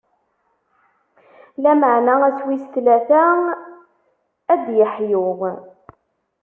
Lameɛna ass wis tlata, ad d-iḥyu.